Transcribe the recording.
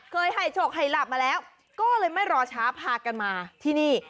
เคยให้โชคให้หลับมาแล้วก็เลยไม่รอช้าพากันมาที่นี่